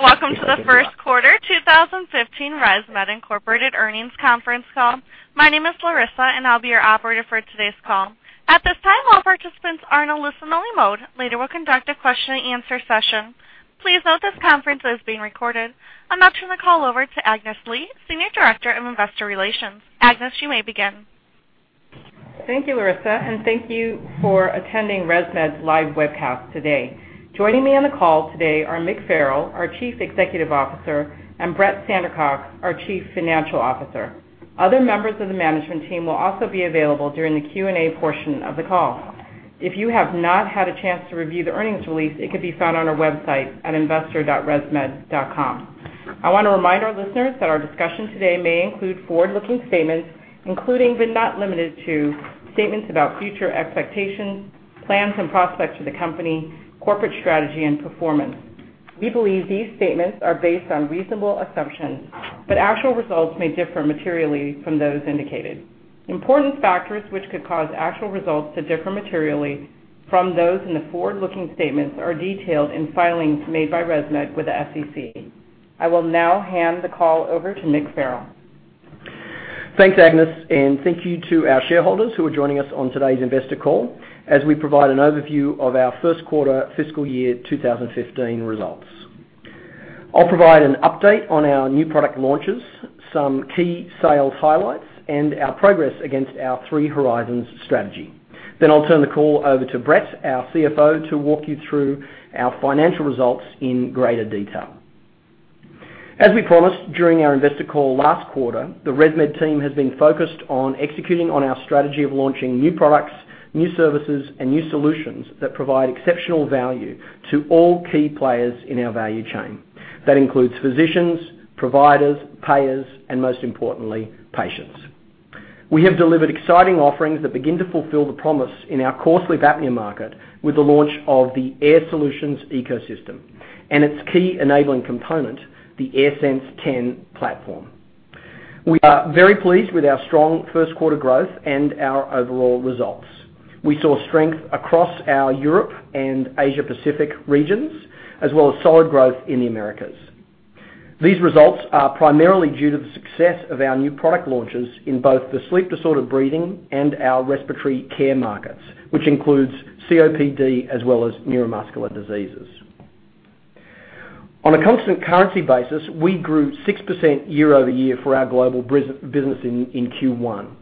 Welcome to the first quarter 2015 ResMed Inc. earnings conference call. My name is Larissa, and I'll be your operator for today's call. At this time, all participants are in a listen-only mode. Later, we'll conduct a question and answer session. Please note this conference is being recorded. I'll now turn the call over to Agnes Lee, Senior Director of Investor Relations. Agnes, you may begin. Thank you, Larissa, and thank you for attending ResMed's live webcast today. Joining me on the call today are Mick Farrell, our Chief Executive Officer, and Brett Sandercock, our Chief Financial Officer. Other members of the management team will also be available during the Q&A portion of the call. If you have not had a chance to review the earnings release, it can be found on our website at investor.resmed.com. I want to remind our listeners that our discussion today may include forward-looking statements including but not limited to, statements about future expectations, plans and prospects for the company, corporate strategy and performance. We believe these statements are based on reasonable assumptions, but actual results may differ materially from those indicated. Important factors which could cause actual results to differ materially from those in the forward-looking statements are detailed in filings made by ResMed with the SEC. I will now hand the call over to Mick Farrell. Thanks, Agnes, and thank you to our shareholders who are joining us on today's investor call as we provide an overview of our first quarter fiscal year 2015 results. I'll provide an update on our new product launches, some key sales highlights, and our progress against our Three Horizons strategy. I'll turn the call over to Brett, our CFO, to walk you through our financial results in greater detail. As we promised during our investor call last quarter, the ResMed team has been focused on executing on our strategy of launching new products, new services, and new solutions that provide exceptional value to all key players in our value chain. That includes physicians, providers, payers, and most importantly, patients. We have delivered exciting offerings that begin to fulfill the promise in our core sleep apnea market with the launch of the Air Solutions Ecosystem and its key enabling component, the AirSense 10 platform. We are very pleased with our strong first quarter growth and our overall results. We saw strength across our Europe and Asia Pacific regions, as well as solid growth in the Americas. These results are primarily due to the success of our new product launches in both the sleep-disordered breathing and our respiratory care markets, which includes COPD as well as neuromuscular diseases. On a constant currency basis, we grew 6% year-over-year for our global business in Q1.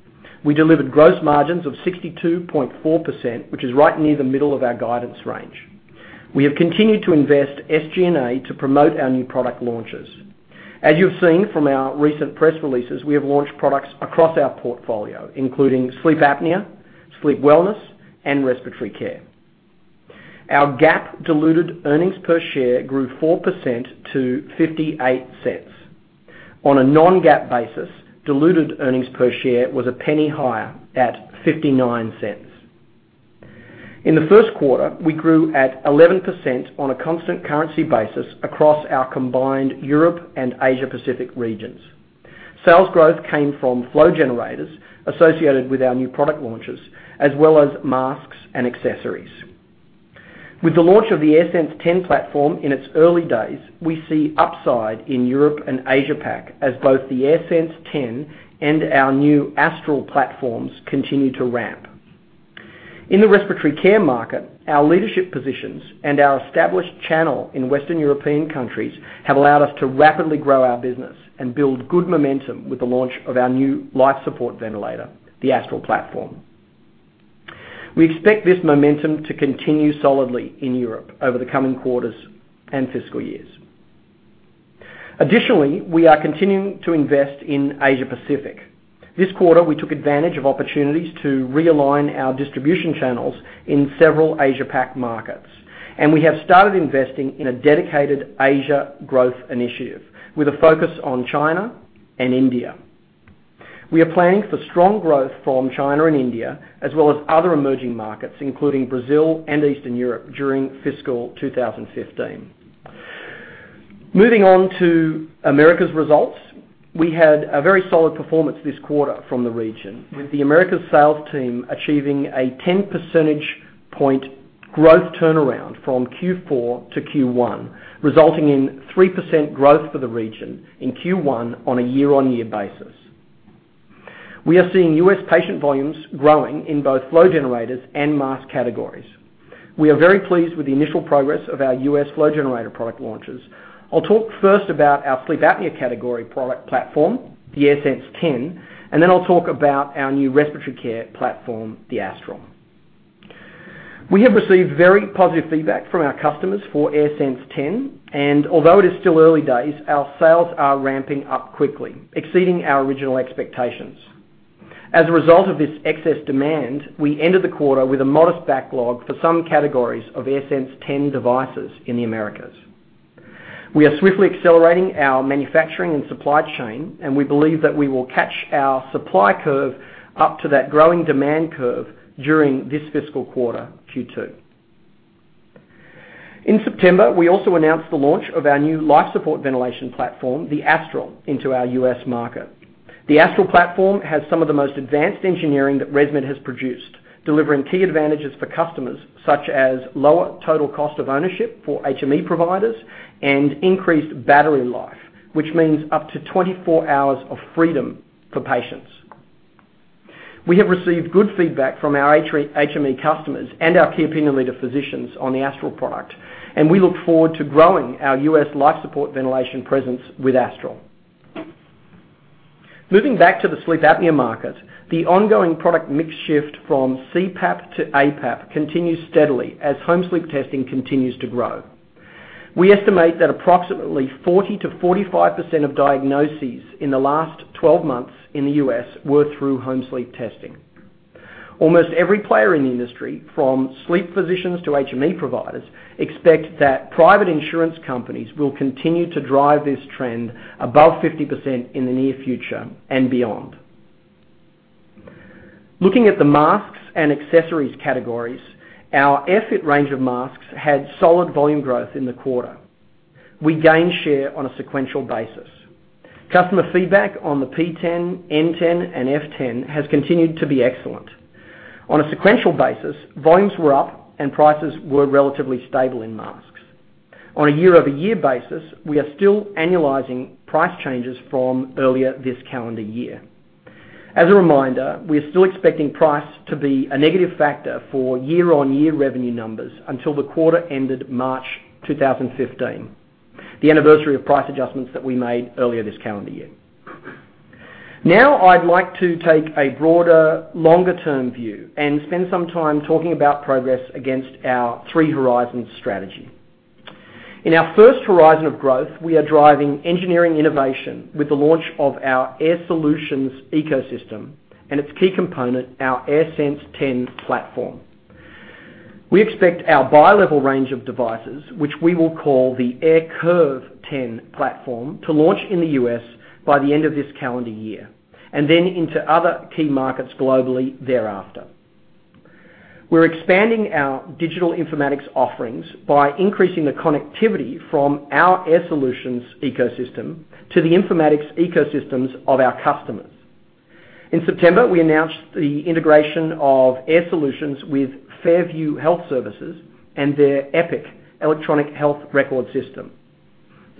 We delivered gross margins of 62.4%, which is right near the middle of our guidance range. We have continued to invest SG&A to promote our new product launches. As you've seen from our recent press releases, we have launched products across our portfolio, including sleep apnea, sleep wellness, and respiratory care. Our GAAP diluted earnings per share grew 4% to $0.58. On a non-GAAP basis, diluted earnings per share was a penny higher at $0.59. In the first quarter, we grew at 11% on a constant currency basis across our combined Europe and Asia Pacific regions. Sales growth came from flow generators associated with our new product launches, as well as masks and accessories. With the launch of the AirSense 10 platform in its early days, we see upside in Europe and Asia Pac as both the AirSense 10 and our new Astral platforms continue to ramp. In the respiratory care market, our leadership positions and our established channel in Western European countries have allowed us to rapidly grow our business and build good momentum with the launch of our new life support ventilator, the Astral platform. We expect this momentum to continue solidly in Europe over the coming quarters and fiscal years. Additionally, we are continuing to invest in Asia Pacific. This quarter, we took advantage of opportunities to realign our distribution channels in several Asia Pac markets, and we have started investing in a dedicated Asia growth initiative with a focus on China and India. We are planning for strong growth from China and India, as well as other emerging markets, including Brazil and Eastern Europe, during fiscal 2015. Moving on to America's results. We had a very solid performance this quarter from the region, with the Americas sales team achieving a 10 percentage point growth turnaround from Q4 to Q1, resulting in 3% growth for the region in Q1 on a year-on-year basis. We are seeing U.S. patient volumes growing in both flow generators and mask categories. We are very pleased with the initial progress of our U.S. flow generator product launches. I'll talk first about our sleep apnea category product platform, the AirSense 10, and then I'll talk about our new respiratory care platform, the Astral. We have received very positive feedback from our customers for AirSense 10, and although it is still early days, our sales are ramping up quickly, exceeding our original expectations. As a result of this excess demand, we ended the quarter with a modest backlog for some categories of AirSense 10 devices in the Americas. We are swiftly accelerating our manufacturing and supply chain. We believe that we will catch our supply curve up to that growing demand curve during this fiscal quarter, Q2. In September, we also announced the launch of our new life support ventilation platform, the Astral, into our U.S. market. The Astral platform has some of the most advanced engineering that ResMed has produced, delivering key advantages for customers such as lower total cost of ownership for HME providers and increased battery life, which means up to 24 hours of freedom for patients. We have received good feedback from our HME customers and our key opinion leader physicians on the Astral product. We look forward to growing our U.S. life support ventilation presence with Astral. Moving back to the sleep apnea market, the ongoing product mix shift from CPAP to APAP continues steadily as home sleep testing continues to grow. We estimate that approximately 40%-45% of diagnoses in the last 12 months in the U.S. were through home sleep testing. Almost every player in the industry, from sleep physicians to HME providers, expect that private insurance companies will continue to drive this trend above 50% in the near future and beyond. Looking at the masks and accessories categories, our AirFit range of masks had solid volume growth in the quarter. We gained share on a sequential basis. Customer feedback on the P10, N10, and F10 has continued to be excellent. On a sequential basis, volumes were up and prices were relatively stable in masks. On a year-over-year basis, we are still annualizing price changes from earlier this calendar year. As a reminder, we are still expecting price to be a negative factor for year-on-year revenue numbers until the quarter ended March 2015, the anniversary of price adjustments that we made earlier this calendar year. I'd like to take a broader, longer-term view and spend some time talking about progress against our Three Horizons strategy. In our first horizon of growth, we are driving engineering innovation with the launch of our Air Solutions ecosystem and its key component, our AirSense 10 platform. We expect our bilevel range of devices, which we will call the AirCurve 10 platform, to launch in the U.S. by the end of this calendar year, and then into other key markets globally thereafter. We're expanding our digital informatics offerings by increasing the connectivity from our Air Solutions ecosystem to the informatics ecosystems of our customers. In September, we announced the integration of Air Solutions with Fairview Health Services and their Epic electronic health record system.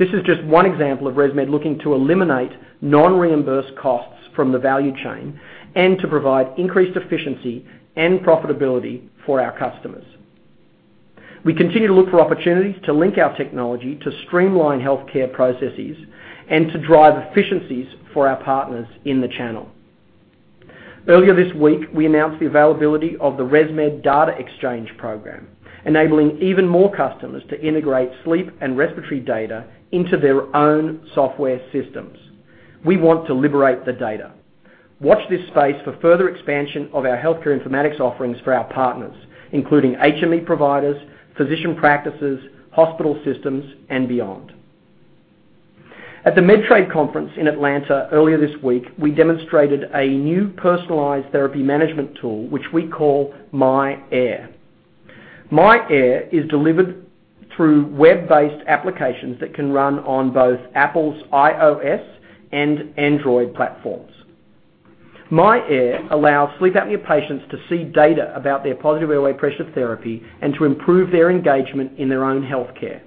This is just one example of ResMed looking to eliminate non-reimbursed costs from the value chain and to provide increased efficiency and profitability for our customers. We continue to look for opportunities to link our technology to streamline healthcare processes and to drive efficiencies for our partners in the channel. Earlier this week, we announced the availability of the ResMed Data Exchange program, enabling even more customers to integrate sleep and respiratory data into their own software systems. We want to liberate the data. Watch this space for further expansion of our healthcare informatics offerings for our partners, including HME providers, physician practices, hospital systems, and beyond. At the Medtrade conference in Atlanta earlier this week, we demonstrated a new personalized therapy management tool, which we call myAir. myAir is delivered through web-based applications that can run on both Apple's iOS and Android platforms. myAir allows sleep apnea patients to see data about their positive airway pressure therapy and to improve their engagement in their own healthcare.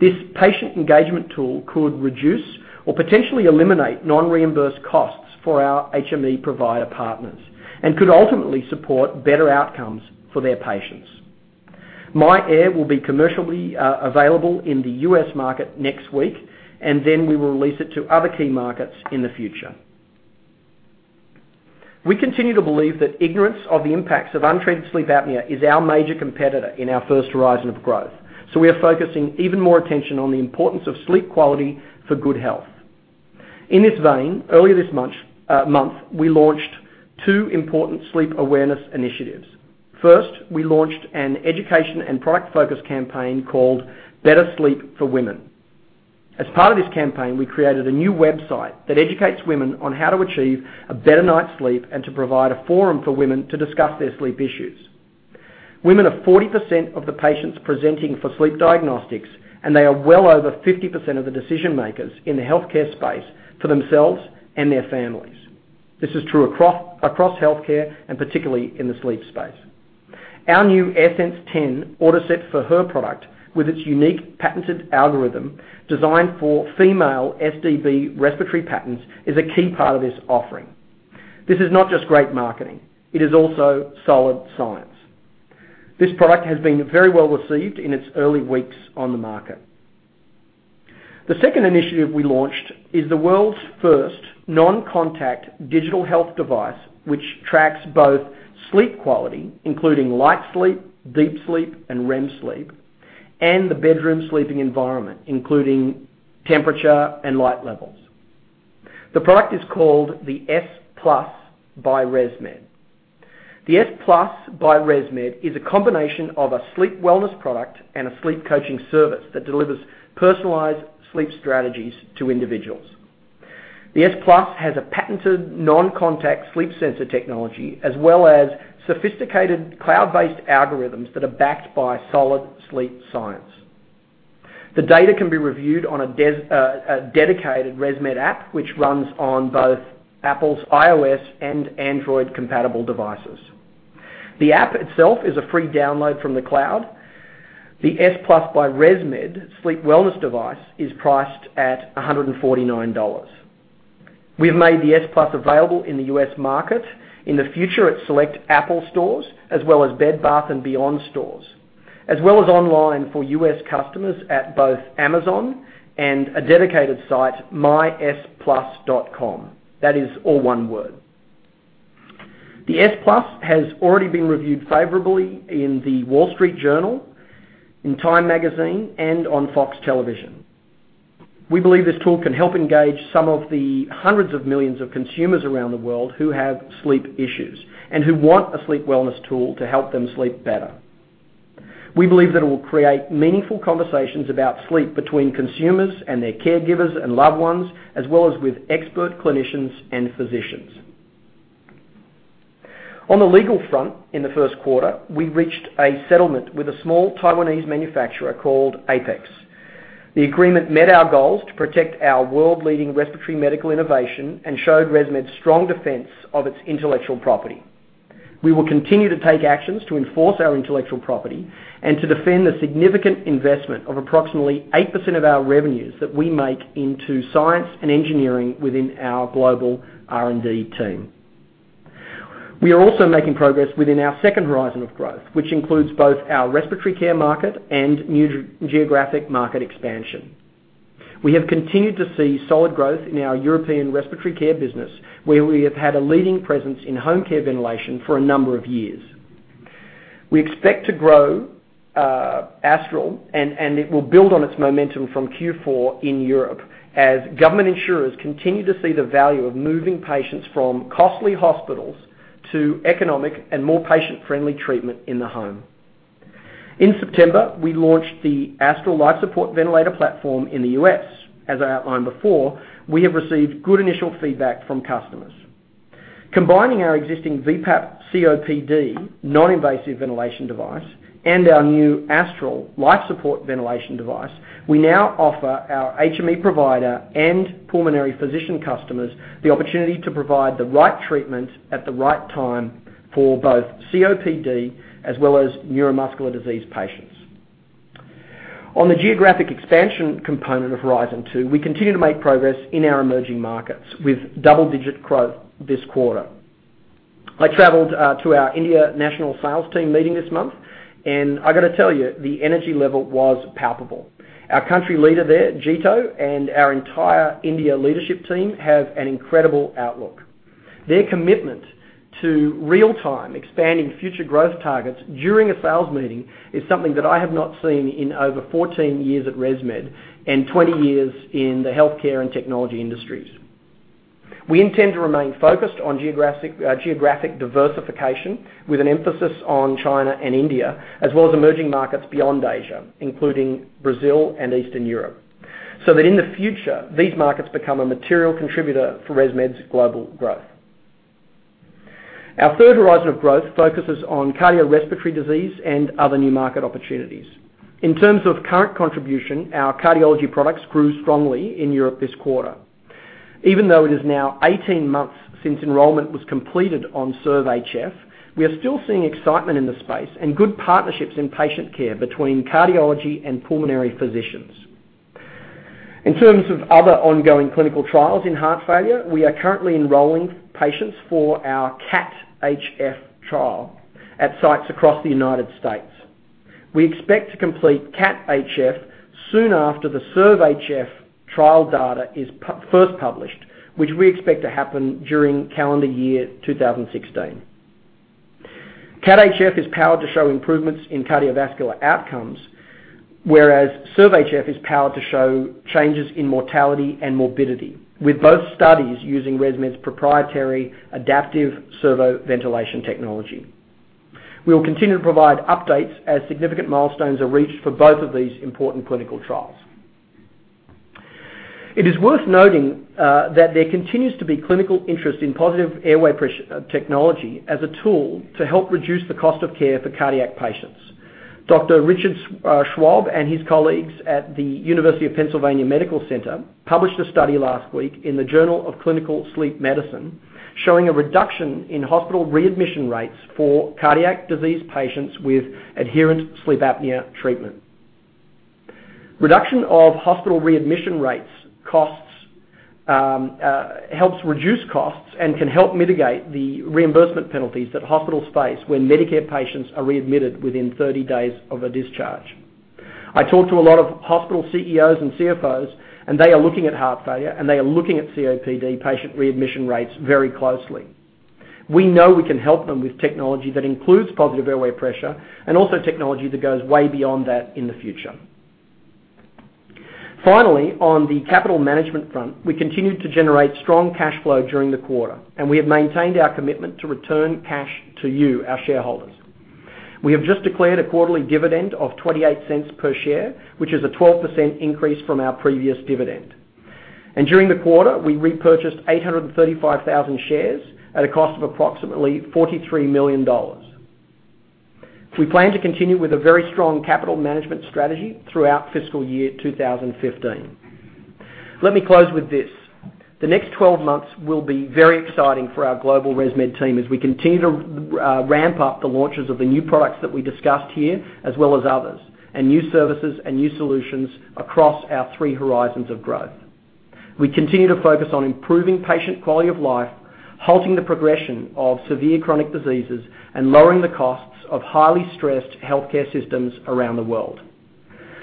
This patient engagement tool could reduce or potentially eliminate non-reimbursed costs for our HME provider partners and could ultimately support better outcomes for their patients. myAir will be commercially available in the U.S. market next week. We will release it to other key markets in the future. We continue to believe that ignorance of the impacts of untreated sleep apnea is our major competitor in our first horizon of growth. We are focusing even more attention on the importance of sleep quality for good health. In this vein, earlier this month, we launched two important sleep awareness initiatives. First, we launched an education and product focus campaign called Better Sleep for Women. As part of this campaign, we created a new website that educates women on how to achieve a better night's sleep and to provide a forum for women to discuss their sleep issues. Women are 40% of the patients presenting for sleep diagnostics, and they are well over 50% of the decision-makers in the healthcare space for themselves and their families. This is true across healthcare and particularly in the sleep space. Our new AirSense 10 AutoSet for Her product, with its unique patented algorithm designed for female SDB respiratory patterns, is a key part of this offering. This is not just great marketing. It is also solid science. This product has been very well received in its early weeks on the market. The second initiative we launched is the world's first non-contact digital health device, which tracks both sleep quality, including light sleep, deep sleep, and REM sleep, and the bedroom sleeping environment, including temperature and light levels. The product is called the S+ by ResMed. The S+ by ResMed is a combination of a sleep wellness product and a sleep coaching service that delivers personalized sleep strategies to individuals. The S+ has a patented non-contact sleep sensor technology as well as sophisticated cloud-based algorithms that are backed by solid sleep science. The data can be reviewed on a dedicated ResMed app, which runs on both Apple's iOS and Android-compatible devices. The app itself is a free download from the cloud. The S+ by ResMed Sleep Wellness device is priced at $149. We have made the S+ available in the U.S. market, in the future at select Apple stores, as well as Bed Bath & Beyond stores, as well as online for U.S. customers at both Amazon and a dedicated site, mysplus.com. That is all one word. The S+ has already been reviewed favorably in The Wall Street Journal, in Time Magazine, and on Fox Television. We believe this tool can help engage some of the hundreds of millions of consumers around the world who have sleep issues and who want a sleep wellness tool to help them sleep better. We believe that it will create meaningful conversations about sleep between consumers and their caregivers and loved ones, as well as with expert clinicians and physicians. On the legal front, in the first quarter, we reached a settlement with a small Taiwanese manufacturer called Apex. The agreement met our goals to protect our world-leading respiratory medical innovation and showed ResMed's strong defense of its intellectual property. We will continue to take actions to enforce our intellectual property and to defend the significant investment of approximately 8% of our revenues that we make into science and engineering within our global R&D team. We are also making progress within our second horizon of growth, which includes both our respiratory care market and new geographic market expansion. We have continued to see solid growth in our European respiratory care business, where we have had a leading presence in homecare ventilation for a number of years. We expect to grow Astral, and it will build on its momentum from Q4 in Europe as government insurers continue to see the value of moving patients from costly hospitals to economic and more patient-friendly treatment in the home. In September, we launched the Astral Life Support Ventilator platform in the U.S. As I outlined before, we have received good initial feedback from customers. Combining our existing VPAP COPD non-invasive ventilation device and our new Astral life support ventilation device, we now offer our HME provider and pulmonary physician customers the opportunity to provide the right treatment at the right time for both COPD as well as neuromuscular disease patients. On the geographic expansion component of Horizon Two, we continue to make progress in our emerging markets with double-digit growth this quarter. I traveled to our India national sales team meeting this month, and I got to tell you, the energy level was palpable. Our country leader there, Jito, and our entire India leadership team have an incredible outlook. Their commitment to real-time expanding future growth targets during a sales meeting is something that I have not seen in over 14 years at ResMed and 20 years in the healthcare and technology industries. We intend to remain focused on geographic diversification with an emphasis on China and India, as well as emerging markets beyond Asia, including Brazil and Eastern Europe, so that in the future, these markets become a material contributor for ResMed's global growth. Our third horizon of growth focuses on cardiorespiratory disease and other new market opportunities. In terms of current contribution, our cardiology products grew strongly in Europe this quarter. Even though it is now 18 months since enrollment was completed on SERVE-HF, we are still seeing excitement in the space and good partnerships in patient care between cardiology and pulmonary physicians. In terms of other ongoing clinical trials in heart failure, we are currently enrolling patients for our CAT HF trial at sites across the U.S. We expect to complete CAT HF soon after the SERVE-HF trial data is first published, which we expect to happen during calendar year 2016. CAT HF is powered to show improvements in cardiovascular outcomes, whereas SERVE-HF is powered to show changes in mortality and morbidity, with both studies using ResMed's proprietary adaptive servo-ventilation technology. We will continue to provide updates as significant milestones are reached for both of these important clinical trials. It is worth noting that there continues to be clinical interest in positive airway pressure technology as a tool to help reduce the cost of care for cardiac patients. Dr. Richard Schwab and his colleagues at the University of Pennsylvania Medical Center published a study last week in the Journal of Clinical Sleep Medicine showing a reduction in hospital readmission rates for cardiac disease patients with adherent sleep apnea treatment. Reduction of hospital readmission rates helps reduce costs and can help mitigate the reimbursement penalties that hospitals face when Medicare patients are readmitted within 30 days of a discharge. I talk to a lot of hospital CEOs and CFOs. They are looking at heart failure, and they are looking at COPD patient readmission rates very closely. We know we can help them with technology that includes positive airway pressure and also technology that goes way beyond that in the future. Finally, on the capital management front, we continued to generate strong cash flow during the quarter. We have maintained our commitment to return cash to you, our shareholders. We have just declared a quarterly dividend of $0.28 per share, which is a 12% increase from our previous dividend. During the quarter, we repurchased 835,000 shares at a cost of approximately $43 million. We plan to continue with a very strong capital management strategy throughout fiscal year 2015. Let me close with this. The next 12 months will be very exciting for our global ResMed team as we continue to ramp up the launches of the new products that we discussed here, as well as others, and new services and new solutions across our three horizons of growth. We continue to focus on improving patient quality of life, halting the progression of severe chronic diseases, and lowering the costs of highly stressed healthcare systems around the world.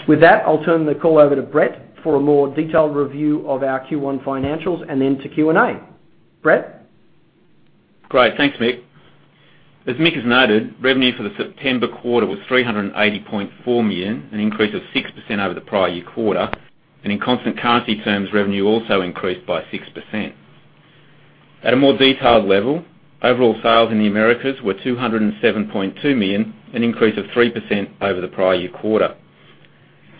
With that, I'll turn the call over to Brett for a more detailed review of our Q1 financials and then to Q&A. Brett? Great. Thanks, Mick. As Mick has noted, revenue for the September quarter was $380.4 million, an increase of 6% over the prior year quarter. In constant currency terms, revenue also increased by 6%. At a more detailed level, overall sales in the Americas were $207.2 million, an increase of 3% over the prior year quarter.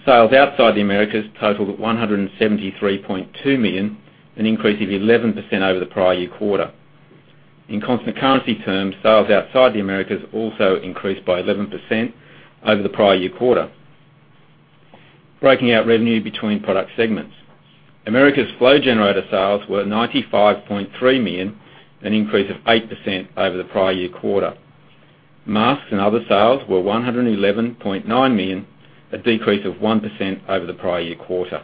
Sales outside the Americas totaled $173.2 million, an increase of 11% over the prior year quarter. In constant currency terms, sales outside the Americas also increased by 11% over the prior year quarter. Breaking out revenue between product segments. Americas flow generator sales were $95.3 million, an increase of 8% over the prior year quarter. Masks and other sales were $111.9 million, a decrease of 1% over the prior year quarter.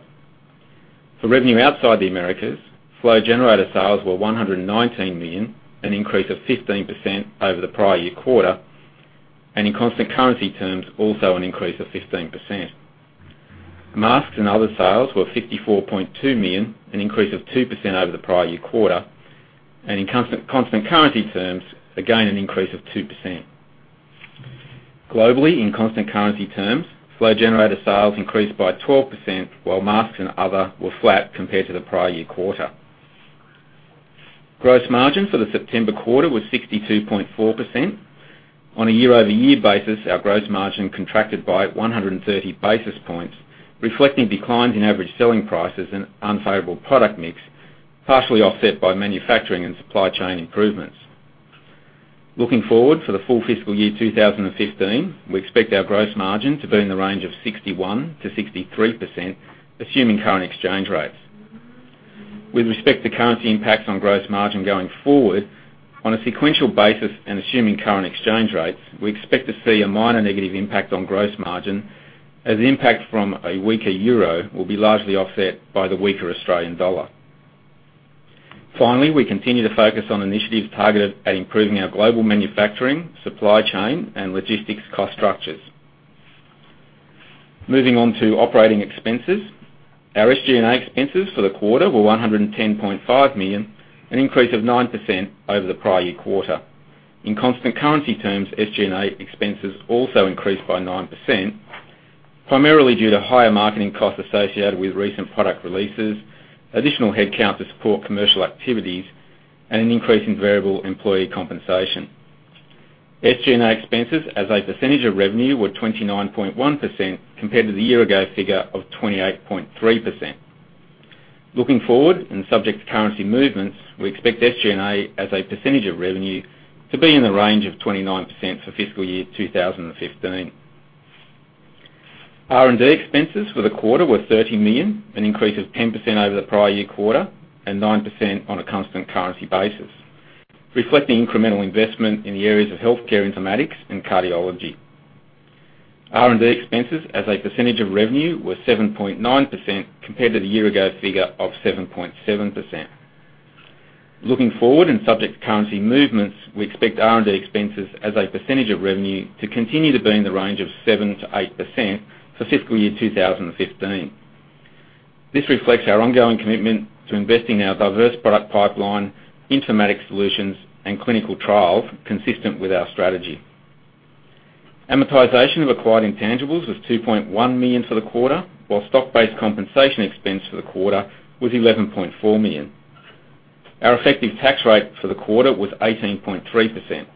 For revenue outside the Americas, flow generator sales were $119 million, an increase of 15% over the prior year quarter, and in constant currency terms, also an increase of 15%. Masks and other sales were $54.2 million, an increase of 2% over the prior year quarter, and in constant currency terms, again, an increase of 2%. Globally, in constant currency terms, flow generator sales increased by 12%, while masks and other were flat compared to the prior year quarter. Gross margin for the September quarter was 62.4%. On a year-over-year basis, our gross margin contracted by 130 basis points, reflecting declines in average selling prices and unfavorable product mix, partially offset by manufacturing and supply chain improvements. Looking forward to the full fiscal year 2015, we expect our gross margin to be in the range of 61%-63%, assuming current exchange rates. With respect to currency impacts on gross margin going forward, on a sequential basis and assuming current exchange rates, we expect to see a minor negative impact on gross margin as the impact from a weaker EUR will be largely offset by the weaker AUD. Finally, we continue to focus on initiatives targeted at improving our global manufacturing, supply chain, and logistics cost structures. Moving on to operating expenses. Our SG&A expenses for the quarter were $110.5 million, an increase of 9% over the prior year quarter. In constant currency terms, SG&A expenses also increased by 9%, primarily due to higher marketing costs associated with recent product releases, additional headcount to support commercial activities, and an increase in variable employee compensation. SG&A expenses as a percentage of revenue were 29.1%, compared to the year-ago figure of 28.3%. Looking forward, subject to currency movements, we expect SG&A as a percentage of revenue to be in the range of 29% for fiscal year 2015. R&D expenses for the quarter were $30 million, an increase of 10% over the prior year quarter and 9% on a constant currency basis, reflecting incremental investment in the areas of healthcare informatics and cardiology. R&D expenses as a percentage of revenue were 7.9%, compared to the year-ago figure of 7.7%. Looking forward, subject to currency movements, we expect R&D expenses as a percentage of revenue to continue to be in the range of 7%-8% for fiscal year 2015. This reflects our ongoing commitment to investing in our diverse product pipeline, informatics solutions, and clinical trials consistent with our strategy. Amortization of acquired intangibles was $2.1 million for the quarter, while stock-based compensation expense for the quarter was $11.4 million. Our effective tax rate for the quarter was 18.3%.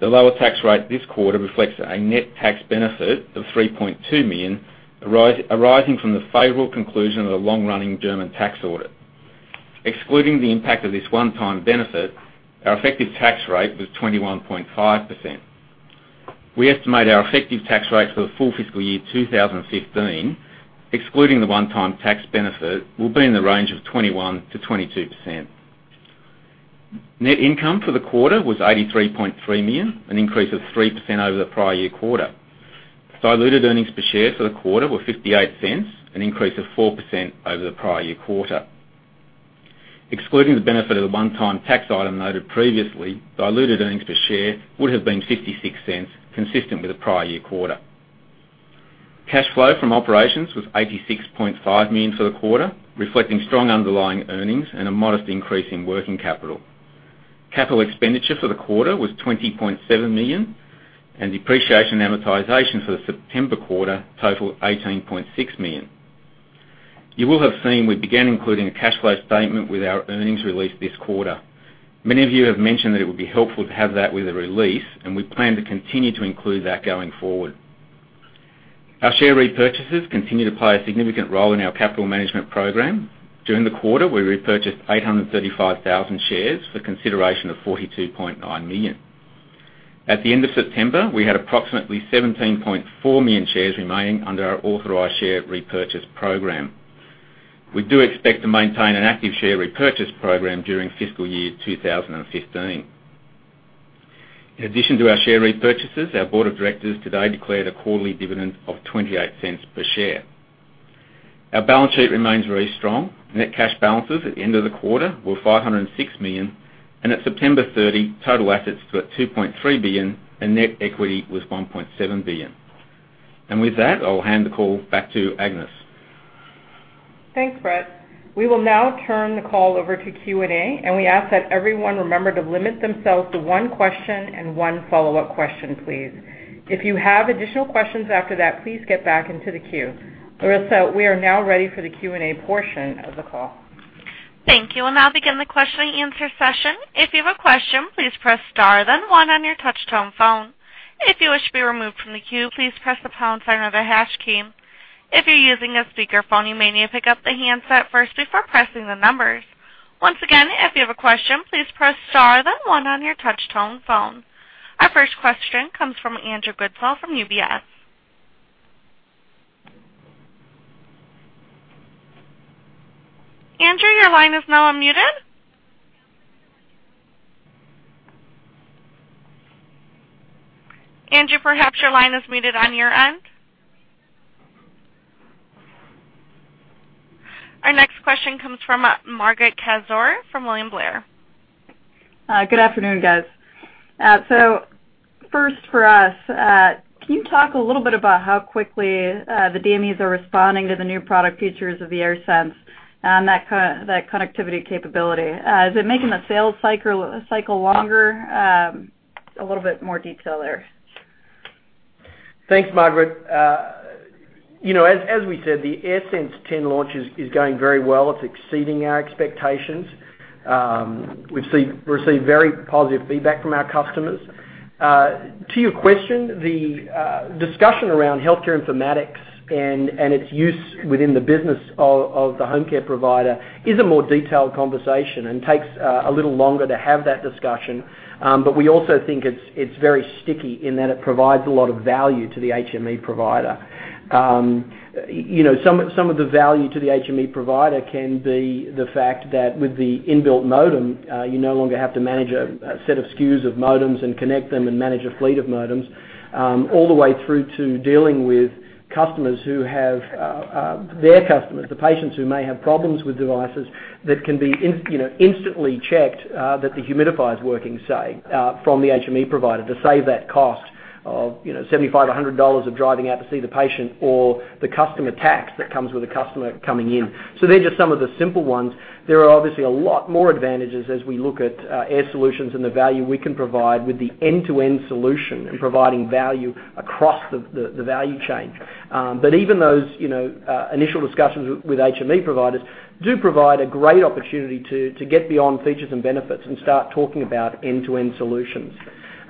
The lower tax rate this quarter reflects a net tax benefit of $3.2 million arising from the favorable conclusion of a long-running German tax audit. Excluding the impact of this one-time benefit, our effective tax rate was 21.5%. We estimate our effective tax rate for the full fiscal year 2015, excluding the one-time tax benefit, will be in the range of 21%-22%. Net income for the quarter was $83.3 million, an increase of 3% over the prior year quarter. Diluted earnings per share for the quarter were $0.58, an increase of 4% over the prior year quarter. Excluding the benefit of a one-time tax item noted previously, diluted earnings per share would have been $0.56, consistent with the prior year quarter. Cash flow from operations was $86.5 million for the quarter, reflecting strong underlying earnings and a modest increase in working capital. Capital expenditure for the quarter was $20.7 million, and depreciation and amortization for the September quarter totaled $18.6 million. You will have seen we began including a cash flow statement with our earnings release this quarter. Many of you have mentioned that it would be helpful to have that with a release. We plan to continue to include that going forward. Our share repurchases continue to play a significant role in our capital management program. During the quarter, we repurchased 835,000 shares for consideration of $42.9 million. At the end of September, we had approximately 17.4 million shares remaining under our authorized share repurchase program. We do expect to maintain an active share repurchase program during fiscal year 2015. In addition to our share repurchases, our board of directors today declared a quarterly dividend of $0.28 per share. Our balance sheet remains very strong. Net cash balances at the end of the quarter were $506 million. At September 30, total assets were at $2.3 billion and net equity was $1.7 billion. With that, I'll hand the call back to Agnes. Thanks, Brett. We will now turn the call over to Q&A. We ask that everyone remember to limit themselves to one question and one follow-up question please. If you have additional questions after that, please get back into the queue. Larissa, we are now ready for the Q&A portion of the call. Thank you. We'll now begin the question and answer session. If you have a question, please press star then one on your touch-tone phone. If you wish to be removed from the queue, please press the pound sign or the hash key. If you're using a speakerphone, you may need to pick up the handset first before pressing the numbers. Once again, if you have a question, please press star then one on your touch-tone phone. Our first question comes from Andrew Goodsall from UBS. Andrew, your line is now unmuted. Andrew, perhaps your line is muted on your end. Our next question comes from Margaret Kaczor from William Blair. Good afternoon, guys. First for us, can you talk a little bit about how quickly the DMEs are responding to the new product features of the AirSense and that connectivity capability? Is it making the sales cycle longer? A little bit more detail there. Thanks, Margaret. As we said, the AirSense 10 launch is going very well. It's exceeding our expectations. We've received very positive feedback from our customers. To your question, the discussion around healthcare informatics and its use within the business of the home care provider is a more detailed conversation and takes a little longer to have that discussion. We also think it's very sticky in that it provides a lot of value to the HME provider. Some of the value to the HME provider can be the fact that with the inbuilt modem, you no longer have to manage a set of SKUs of modems and connect them and manage a fleet of modems, all the way through to dealing with their customers, the patients who may have problems with devices that can be instantly checked that the humidifier's working, say, from the HME provider to save that cost of $75-$100 of driving out to see the patient or the customer tax that comes with a customer coming in. They're just some of the simple ones. There are obviously a lot more advantages as we look at Air Solutions and the value we can provide with the end-to-end solution and providing value across the value chain. Even those initial discussions with HME providers do provide a great opportunity to get beyond features and benefits and start talking about end-to-end solutions.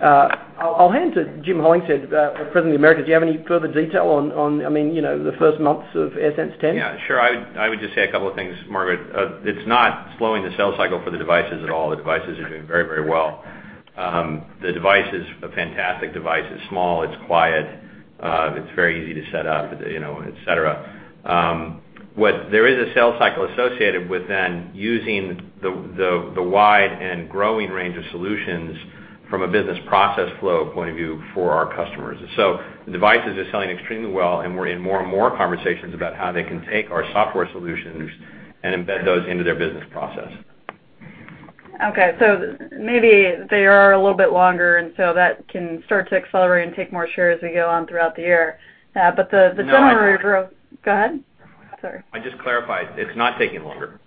I'll hand to Jim Hollingshead, President of Americas. Do you have any further detail on the first months of AirSense 10? Yeah, sure. I would just say a couple of things, Margaret. It's not slowing the sales cycle for the devices at all. The devices are doing very well. The device is a fantastic device. It's small, it's quiet, it's very easy to set up, et cetera. There is a sales cycle associated with then using the wide and growing range of solutions from a business process flow point of view for our customers. The devices are selling extremely well and we're in more and more conversations about how they can take our software solutions and embed those into their business process. Okay. Maybe they are a little bit longer and that can start to accelerate and take more share as we go on throughout the year. The general rate of- No, I- Go ahead. Sorry. I just clarified. It's not taking longer.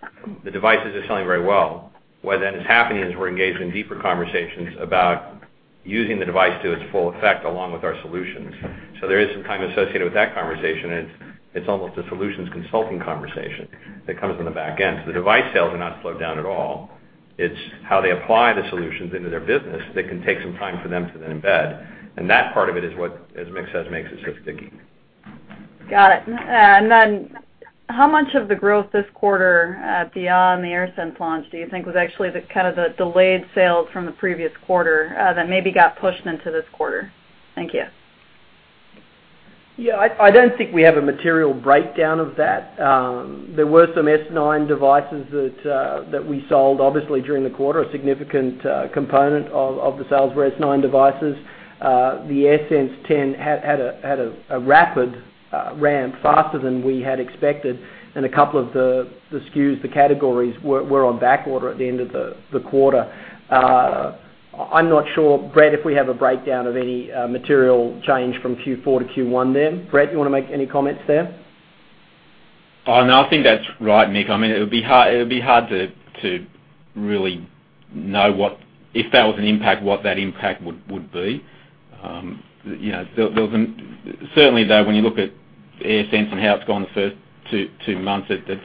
The devices are selling very well. What is happening is we're engaged in deeper conversations about using the device to its full effect along with our solutions. There is some time associated with that conversation, and it's almost a solutions consulting conversation that comes on the back end. The device sales are not slowed down at all. It's how they apply the solutions into their business that can take some time for them to then embed. That part of it is what, as Mick says, makes it so sticky. Got it. How much of the growth this quarter beyond the AirSense launch do you think was actually the delayed sales from the previous quarter that maybe got pushed into this quarter? Thank you. I don't think we have a material breakdown of that. There were some S9 devices that we sold, obviously, during the quarter, a significant component of the sales were S9 devices. The AirSense 10 had a rapid ramp, faster than we had expected, and a couple of the SKUs, the categories, were on backorder at the end of the quarter. I'm not sure, Brett, if we have a breakdown of any material change from Q4 to Q1 then. Brett, you want to make any comments there? No, I think that's right, Mick. It would be hard to really know if that was an impact, what that impact would be. Certainly, though, when you look at AirSense and how it's gone the first two months, it's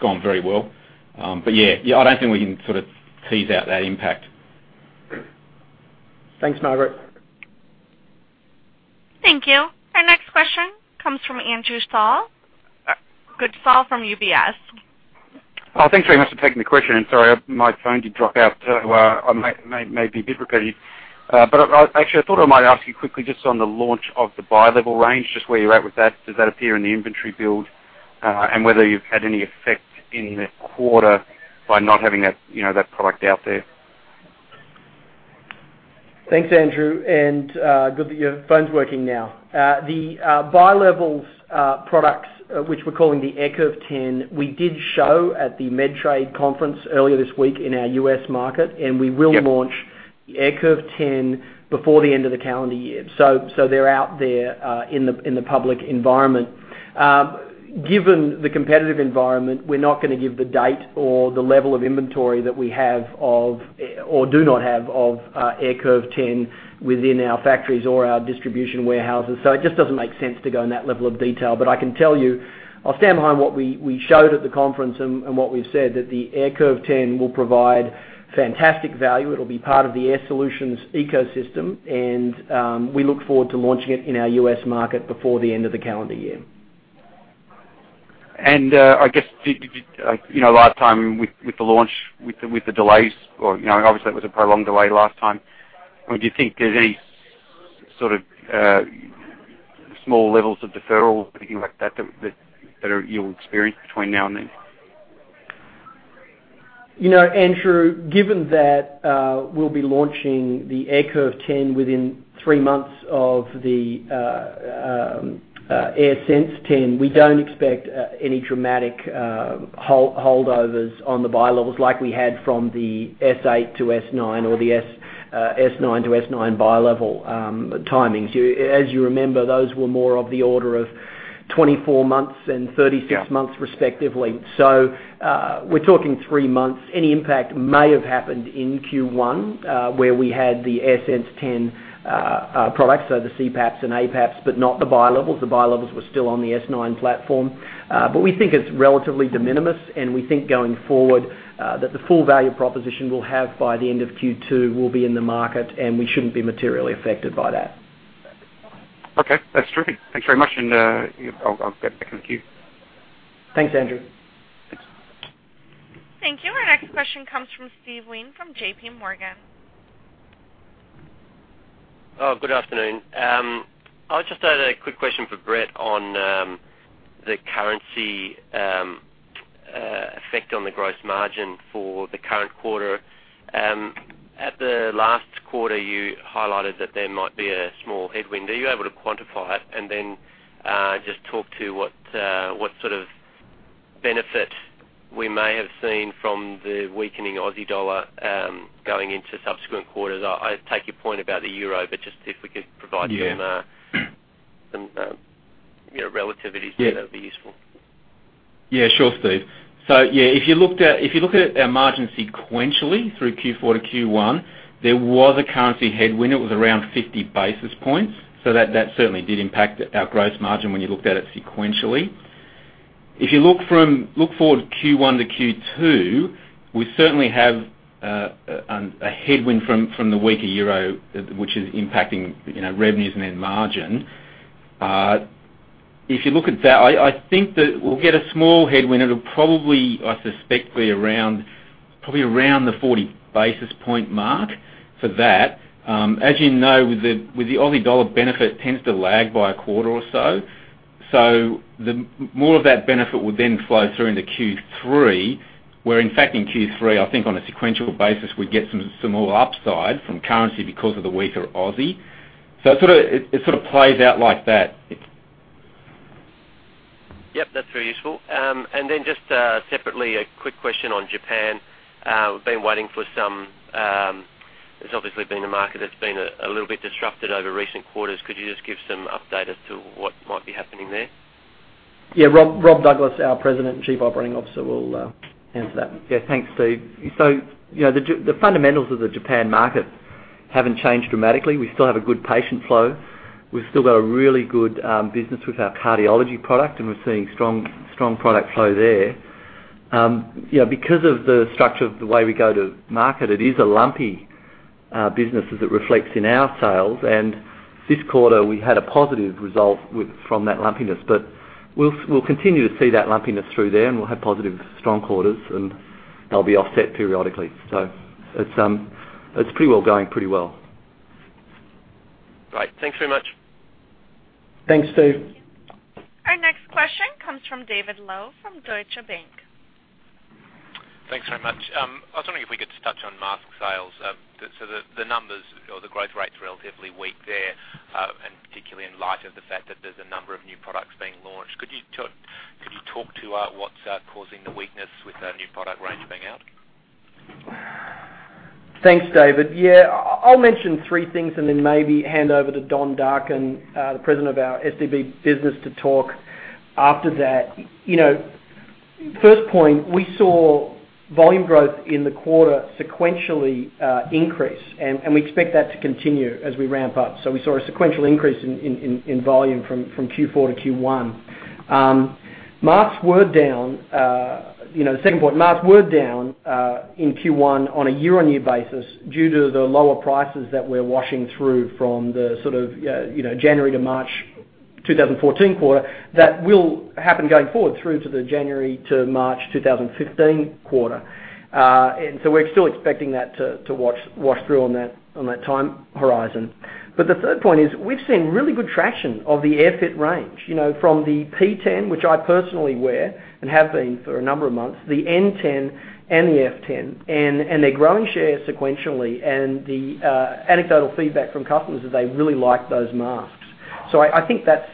gone very well. I don't think we can tease out that impact. Thanks, Margaret. Thank you. Our next question comes from Andrew Goodsall. Andrew Goodsall from UBS. Thanks very much for taking the question. Sorry, my phone did drop out, so I may be a bit repetitive. Actually, I thought I might ask you quickly just on the launch of the bilevel range, just where you're at with that. Does that appear in the inventory build? Whether you've had any effect in the quarter by not having that product out there. Thanks, Andrew, good that your phone's working now. The bilevels products, which we're calling the AirCurve 10, we did show at the Medtrade conference earlier this week in our U.S. market, we will launch the AirCurve 10 before the end of the calendar year. They're out there, in the public environment. Given the competitive environment, we're not going to give the date or the level of inventory that we have or do not have of AirCurve 10 within our factories or our distribution warehouses. It just doesn't make sense to go in that level of detail. I can tell you, I'll stand behind what we showed at the conference and what we've said, that the AirCurve 10 will provide fantastic value. It'll be part of the Air Solutions ecosystem, we look forward to launching it in our U.S. market before the end of the calendar year. I guess, last time with the launch, with the delays, obviously, that was a prolonged delay last time. Do you think there's any sort of small levels of deferral or anything like that you'll experience between now and then? Andrew, given that we'll be launching the AirCurve 10 within three months of the AirSense 10, we don't expect any dramatic holdovers on the bilevels like we had from the S8 to S9 or the S9 to S9 bilevel timings. As you remember, those were more of the order of 24 months and 36 months, respectively. We're talking three months. Any impact may have happened in Q1, where we had the AirSense 10 products, so the CPAPs and APAPs, but not the bilevels. The bilevels were still on the S9 platform. We think it's relatively de minimis, and we think going forward, that the full value proposition we'll have by the end of Q2 will be in the market, and we shouldn't be materially affected by that. Okay. That's terrific. Thanks very much, and I'll get back in the queue. Thanks, Andrew. Thanks. Thank you. Our next question comes from Steve Wein from JPMorgan Chase. Good afternoon. I just had a quick question for Brett on the currency effect on the gross margin for the current quarter. At the last quarter, you highlighted that there might be a small headwind. Are you able to quantify it and then just talk to what sort of benefit we may have seen from the weakening Aussie dollar going into subsequent quarters? I take your point about the euro, but just if we could provide some relativities there, that would be useful. Sure, Steve. If you look at our margin sequentially through Q4 to Q1, there was a currency headwind. It was around 50 basis points, so that certainly did impact our gross margin when you looked at it sequentially. If you look forward Q1 to Q2, we certainly have a headwind from the weaker euro, which is impacting revenues and then margin. If you look at that, I think that we'll get a small headwind. It'll probably, I suspect, be around the 40 basis point mark for that. As you know, with the Aussie dollar, benefit tends to lag by a quarter or so. More of that benefit would then flow through into Q3, where, in fact, in Q3, I think on a sequential basis, we get some more upside from currency because of the weaker Aussie. It sort of plays out like that. Yep, that's very useful. Just separately, a quick question on Japan. It's obviously been a market that's been a little bit disrupted over recent quarters. Could you just give some update as to what might be happening there? Yeah. Rob Douglas, our President and Chief Operating Officer, will answer that. Yeah. Thanks, Steve. The fundamentals of the Japan market haven't changed dramatically. We still have a good patient flow. We've still got a really good business with our cardiology product, and we're seeing strong product flow there. Because of the structure of the way we go to market, it is a lumpy business as it reflects in our sales. This quarter, we had a positive result from that lumpiness. We'll continue to see that lumpiness through there, and we'll have positive, strong quarters, and they'll be offset periodically. It's pretty well, going pretty well. Great. Thanks very much. Thanks, Steve. Our next question comes from David Low from Deutsche Bank. Thanks very much. I was wondering if we could just touch on mask sales. The numbers or the growth rate's relatively weak there, and particularly in light of the fact that there's a number of new products being launched. Could you talk to what's causing the weakness with the new product range being out? Thanks, David. Yeah. I'll mention three things and then maybe hand over to Don Darkin, the President of our SDB business, to talk after that. First point, we saw volume growth in the quarter sequentially increase, and we expect that to continue as we ramp up. We saw a sequential increase in volume from Q4 to Q1. Masks were down. The second point, masks were down, in Q1 on a year-on-year basis due to the lower prices that we're washing through from the January to March 2014 quarter, that will happen going forward through to the January to March 2015 quarter. We're still expecting that to wash through on that time horizon. The third point is, we've seen really good traction of the AirFit range. From the P10, which I personally wear and have been for a number of months, the N10 and the F10, they're growing share sequentially. The anecdotal feedback from customers is they really like those masks. I think that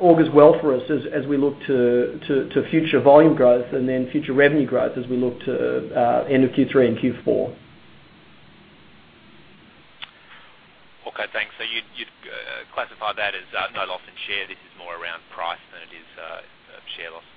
augurs well for us as we look to future volume growth then future revenue growth as we look to end of Q3 and Q4. Okay, thanks. You'd classify that as no loss in share, this is more around price than it is a share loss?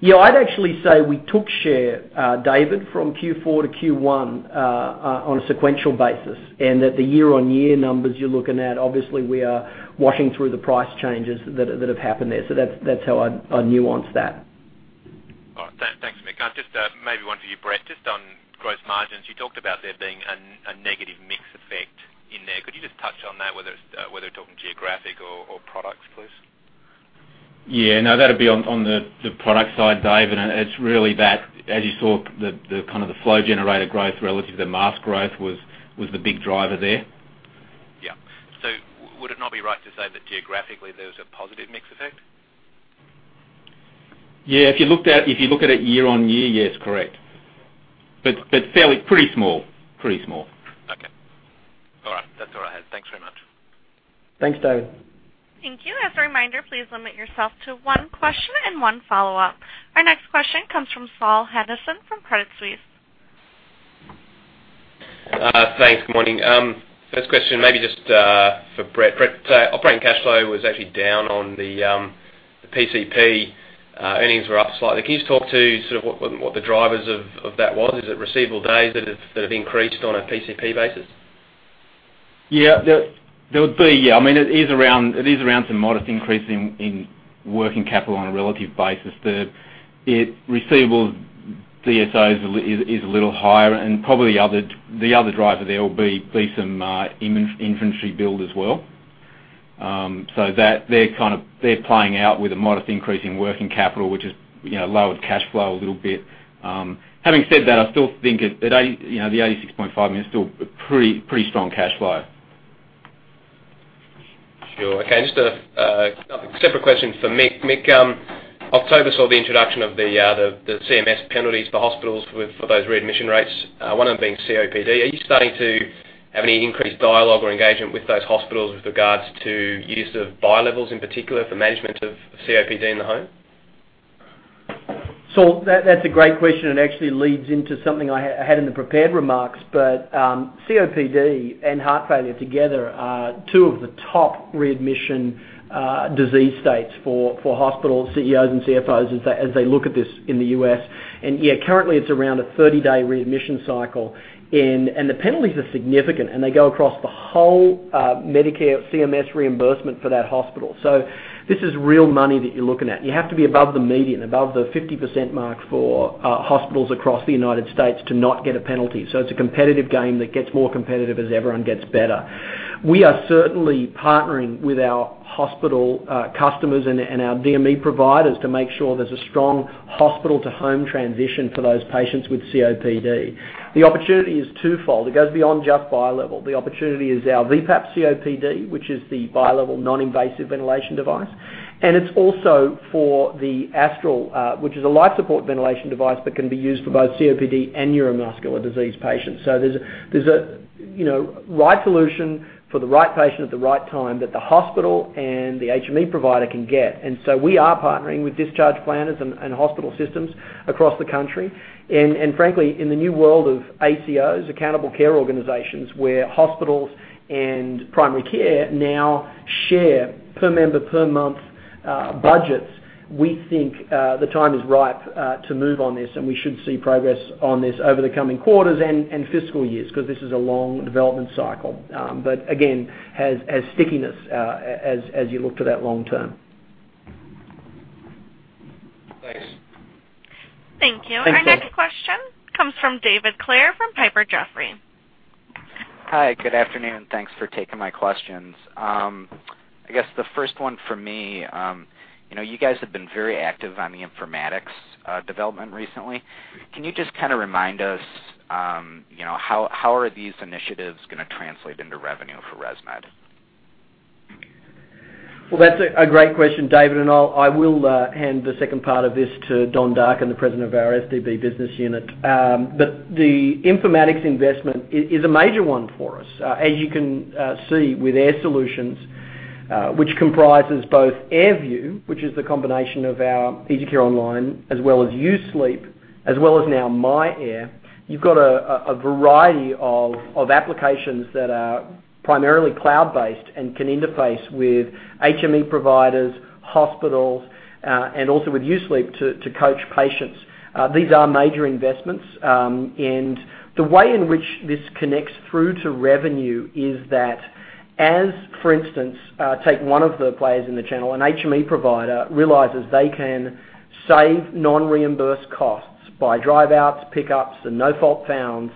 Yeah, I'd actually say we took share, David, from Q4 to Q1, on a sequential basis. That the year-on-year numbers you're looking at, obviously, we are washing through the price changes that have happened there. That's how I'd nuance that. All right. Thanks, Mick. Just maybe one for you, Brett, just on gross margins. You talked about there being a negative mix effect in there. Could you just touch on that, whether talking geographic or products, please? no, that'd be on the product side, David, and it's really that, as you saw, the flow generator growth relative to the mask growth was the big driver there. Would it not be right to say that geographically there was a positive mix effect? If you look at it year-over-year, yes, correct. Fairly pretty small. Okay. All right. That's all I had. Thanks very much. Thanks, David. Thank you. As a reminder, please limit yourself to one question and one follow-up. Our next question comes from Saul Hadassin from Credit Suisse. Thanks. Good morning. First question, maybe just for Brett. Brett, operating cash flow was actually down on the PCP. Earnings were up slightly. Can you just talk to sort of what the drivers of that was? Is it receivable days that have increased on a PCP basis? Yeah. It is around some modest increase in working capital on a relative basis. The receivables DSOs is a little higher, and probably the other driver there will be some inventory build as well. They're playing out with a modest increase in working capital, which has lowered cash flow a little bit. Having said that, I still think the $86.5 million is still pretty strong cash flow. Sure. Okay. Just a separate question for Mick. Mick, October saw the introduction of the CMS penalties for hospitals for those readmission rates, one of them being COPD. Are you starting to have any increased dialogue or engagement with those hospitals with regards to use of bilevels in particular for management of COPD in the home? Saul, that's a great question. Actually leads into something I had in the prepared remarks. COPD and heart failure together are two of the top readmission disease states for hospital CEOs and CFOs as they look at this in the U.S. Yeah, currently it's around a 30-day readmission cycle. The penalties are significant, and they go across the whole Medicare CMS reimbursement for that hospital. This is real money that you're looking at. You have to be above the median, above the 50% mark for hospitals across the United States to not get a penalty. It's a competitive game that gets more competitive as everyone gets better. We are certainly partnering with our hospital customers and our DME providers to make sure there's a strong hospital-to-home transition for those patients with COPD. The opportunity is twofold. It goes beyond just bilevel. The opportunity is our VPAP COPD, which is the bilevel non-invasive ventilation device, and it's also for the Astral, which is a life support ventilation device that can be used for both COPD and neuromuscular disease patients. There's a right solution for the right patient at the right time that the hospital and the HME provider can get. We are partnering with discharge planners and hospital systems across the country. Frankly, in the new world of ACOs, Accountable Care Organizations, where hospitals and primary care now share per member per month budgets, we think the time is ripe to move on this, and we should see progress on this over the coming quarters and fiscal years, because this is a long development cycle. Again, has stickiness, as you look to that long term. Thanks. Thank you. Thank you. Our next question comes from David Clare from Piper Jaffray. Hi, good afternoon. Thanks for taking my questions. I guess the first one for me, you guys have been very active on the informatics development recently. Can you just kind of remind us, how are these initiatives going to translate into revenue for ResMed? That's a great question, David, and I will hand the second part of this to Don Darkin, the President of our SDB business unit. The informatics investment is a major one for us. As you can see with Air Solutions, which comprises both AirView, which is the combination of our EasyCare Online, as well as U-Sleep, as well as now myAir, you've got a variety of applications that are primarily cloud-based and can interface with HME providers, hospitals. Also with U-Sleep to coach patients. These are major investments. The way in which this connects through to revenue is that as, for instance, take one of the players in the channel, an HME provider realizes they can save non-reimbursed costs by drive outs, pickups, and no-fault founds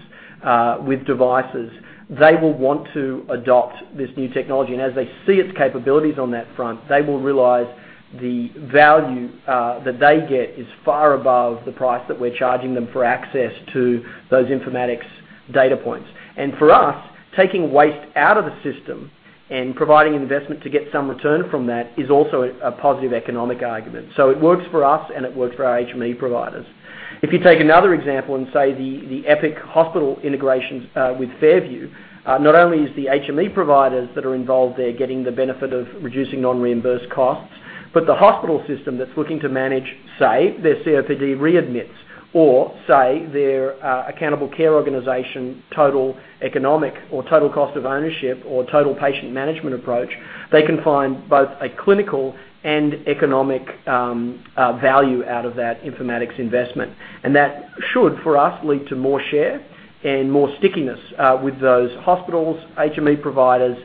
with devices. They will want to adopt this new technology. As they see its capabilities on that front, they will realize the value that they get is far above the price that we're charging them for access to those informatics data points. For us, taking waste out of the system and providing investment to get some return from that is also a positive economic argument. It works for us, and it works for our HME providers. If you take another example and say the Epic Hospital integrations with Fairview, not only is the HME providers that are involved there getting the benefit of reducing non-reimbursed costs, but the hospital system that's looking to manage, say, their COPD readmits or say their accountable care organization, total economic or total cost of ownership or total patient management approach, they can find both a clinical and economic value out of that informatics investment. That should, for us, lead to more share and more stickiness with those hospitals, HME providers,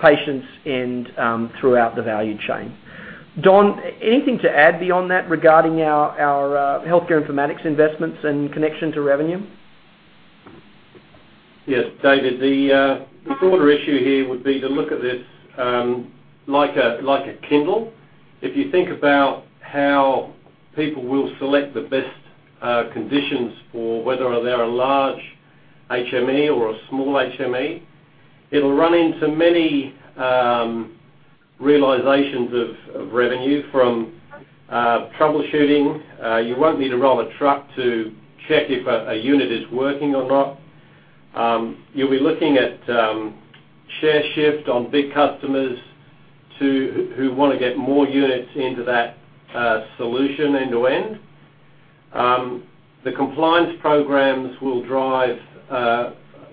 patients, and throughout the value chain. Don, anything to add beyond that regarding our healthcare informatics investments in connection to revenue? Yes, David. The broader issue here would be to look at this like a Kindle. If you think about how people will select the best conditions for whether they're a large HME or a small HME, it'll run into many realizations of revenue from troubleshooting. You won't need to roll a truck to check if a unit is working or not. You'll be looking at share shift on big customers who want to get more units into that solution end to end. The compliance programs will drive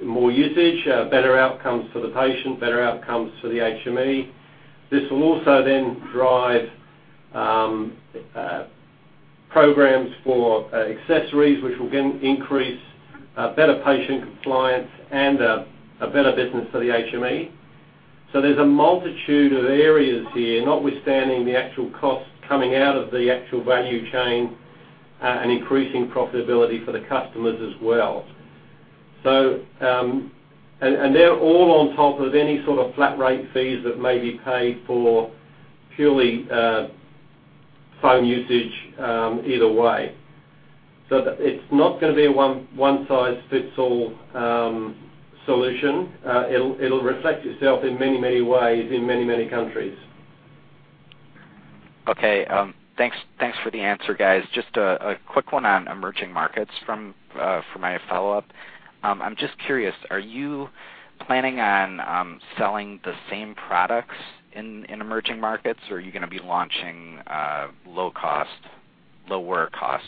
more usage, better outcomes for the patient, better outcomes for the HME. This will also then drive programs for accessories, which will again increase better patient compliance and a better business for the HME. There's a multitude of areas here, notwithstanding the actual costs coming out of the actual value chain and increasing profitability for the customers as well. They're all on top of any sort of flat rate fees that may be paid for purely phone usage either way. It's not going to be a one size fits all solution. It'll reflect itself in many ways, in many countries. Okay. Thanks for the answer, guys. Just a quick one on emerging markets for my follow-up. I'm just curious, are you planning on selling the same products in emerging markets, or are you going to be launching lower cost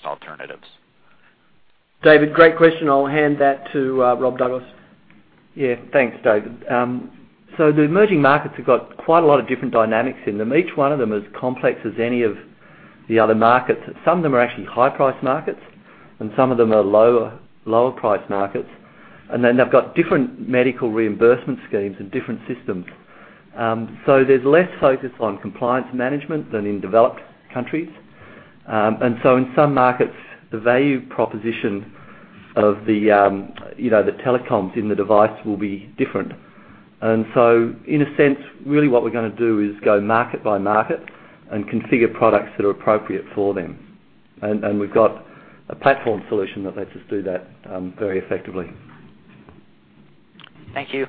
alternatives? David, great question. I'll hand that to Rob Douglas. Yeah. Thanks, David. The emerging markets have got quite a lot of different dynamics in them. Each one of them is complex as any of the other markets. Some of them are actually high price markets, and some of them are lower price markets. They've got different medical reimbursement schemes and different systems. There's less focus on compliance management than in developed countries. In some markets, the value proposition of the telecoms in the device will be different. In a sense, really what we're going to do is go market by market and configure products that are appropriate for them. We've got a platform solution that lets us do that very effectively. Thank you.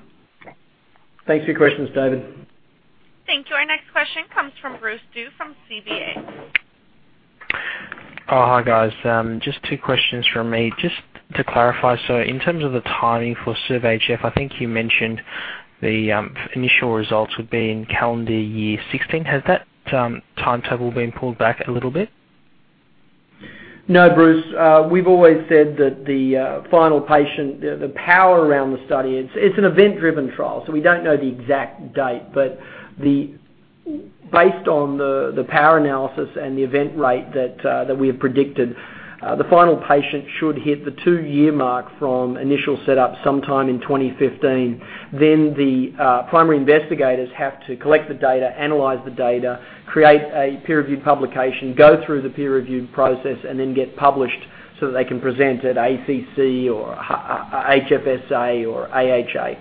Thanks for your questions, David. Thank you. Our next question comes from Bruce Du from CBA. Hi, guys. Just two questions from me. Just to clarify, in terms of the timing for SERVE-HF, I think you mentioned the initial results would be in calendar year 2016. Has that timetable been pulled back a little bit? No, Bruce. We've always said that the final patient, the power around the study, it's an event-driven trial, we don't know the exact date, but based on the power analysis and the event rate that we have predicted, the final patient should hit the two-year mark from initial set up sometime in 2015. The primary investigators have to collect the data, analyze the data, create a peer review publication, go through the peer review process, and then get published so that they can present at ACC or HFSA or AHA.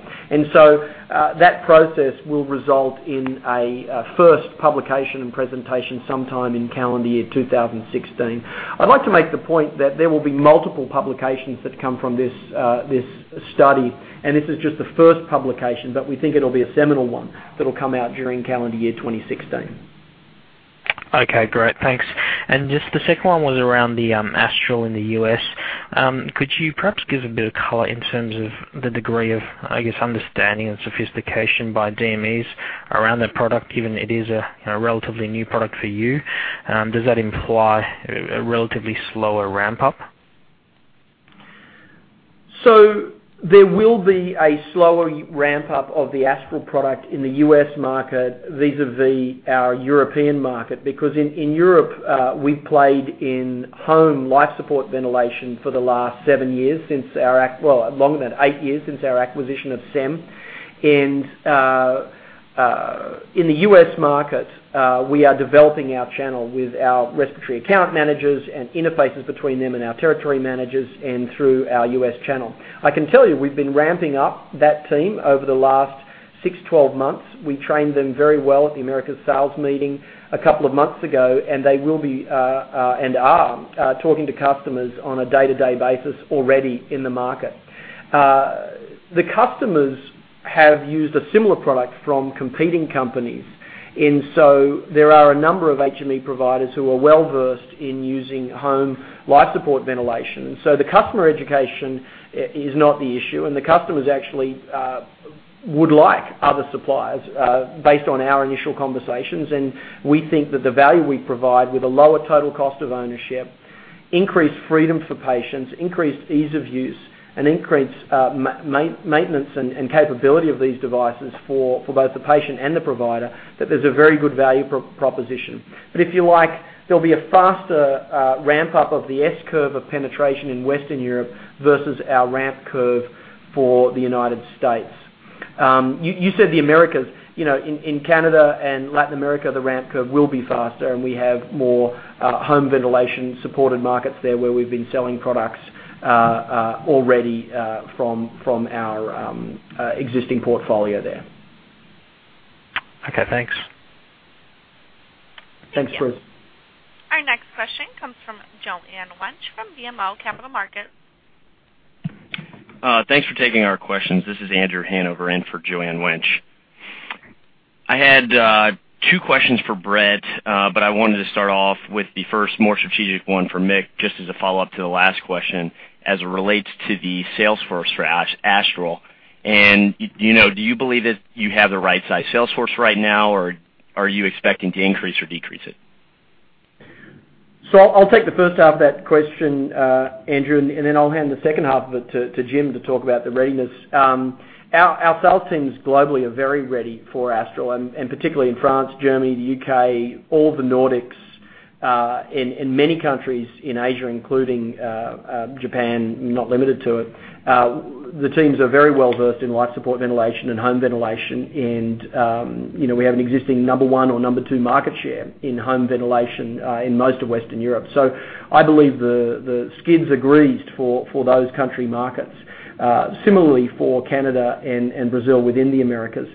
That process will result in a first publication and presentation sometime in calendar year 2016. I'd like to make the point that there will be multiple publications that come from this study, this is just the first publication, but we think it'll be a seminal one that'll come out during calendar year 2016. Okay, great. Thanks. Just the second one was around the Astral in the U.S. Could you perhaps give a bit of color in terms of the degree of, I guess, understanding and sophistication by DMEs around that product, given it is a relatively new product for you? Does that imply a relatively slower ramp-up? There will be a slower ramp-up of the Astral product in the U.S. market vis-a-vis our European market. Because in Europe, we played in home life support ventilation for the last seven years, well, longer than eight years since our acquisition of Saime. In the U.S. market, we are developing our channel with our respiratory account managers and interfaces between them and our territory managers and through our U.S. channel. I can tell you; we've been ramping up that team over the last six to 12 months. We trained them very well at the Americas sales meeting a couple of months ago, and they will be, and are, talking to customers on a day-to-day basis already in the market. The customers have used a similar product from competing companies. There are a number of HME providers who are well-versed in using home life support ventilation. The customer education is not the issue, and the customers actually would like other suppliers, based on our initial conversations. We think that the value we provide with a lower total cost of ownership, increased freedom for patients, increased ease of use, and increased maintenance and capability of these devices for both the patient and the provider, that there's a very good value proposition. If you like, there'll be a faster ramp-up of the S-curve of penetration in Western Europe versus our ramp curve for the United States. You said the Americas. In Canada and Latin America, the ramp curve will be faster, and we have more home ventilation-supported markets there where we've been selling products already from our existing portfolio there. Okay, thanks. Thanks, Bruce. Our next question comes from Joanne Wuensch from BMO Capital Markets. Thanks for taking our questions. This is Andrew Hanover in for Joanne Wuensch. I had two questions for Brett, but I wanted to start off with the first more strategic one for Mick, just as a follow-up to the last question as it relates to the sales force for Astral. Do you believe that you have the right size sales force right now, or are you expecting to increase or decrease it? I'll take the first half of that question, Andrew, and then I'll hand the second half of it to Jim to talk about the readiness. Our sales teams globally are very ready for Astral, and particularly in France, Germany, the U.K., all the Nordics, in many countries in Asia, including Japan, not limited to it. The teams are very well-versed in life support ventilation and home ventilation. We have an existing number one or number two market share in home ventilation, in most of Western Europe. I believe the skids are greased for those country markets. Similarly for Canada and Brazil within the Americas.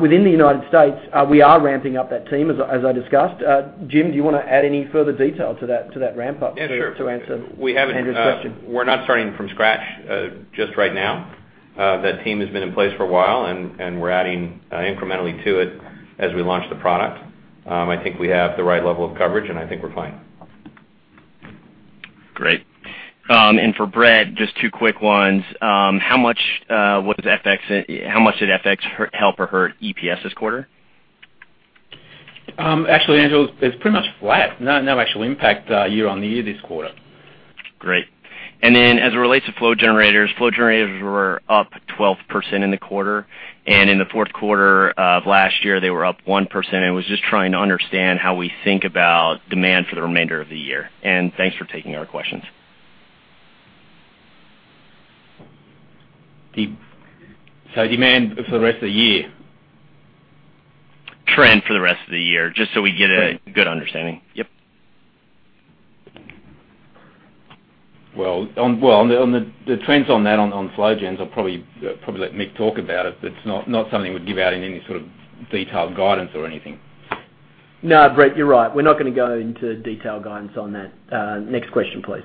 Within the U.S., we are ramping up that team as I discussed. Jim, do you want to add any further detail to that ramp-up? Yeah, sure. to answer Andrew's question? We're not starting from scratch, just right now. That team has been in place for a while, and we're adding incrementally to it as we launch the product. I think we have the right level of coverage, and I think we're fine. Great. For Brett, just two quick ones. How much did FX help or hurt EPS this quarter? Actually, Andrew, it's pretty much flat. No actual impact year-on-year this quarter. Great. Then as it relates to flow generators. Flow generators were up 12% in the quarter, and in the fourth quarter of last year, they were up 1%. I was just trying to understand how we think about demand for the remainder of the year. Thanks for taking our questions. Demand for the rest of the year? Trend for the rest of the year, just so we get a good understanding. Yep. Well, on the trends on that on flow gens, I'll probably let Mick talk about it, but it's not something we'd give out in any sort of detailed guidance or anything. No, Brett, you're right. We're not going to go into detailed guidance on that. Next question, please.